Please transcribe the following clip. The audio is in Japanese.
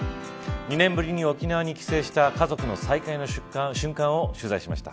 ２年ぶりに沖縄に帰省した家族の再会の瞬間を取材しました。